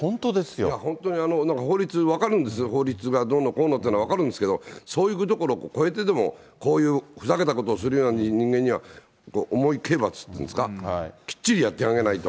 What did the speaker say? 本当に、いや、法律、分かるんですよ、法律がどうのこうのというのは分かるんですけど、そういうところを超えてでも、こういうふざけたことするようなするような人間には重い刑罰っていうんですか、きっちりやってあげないと。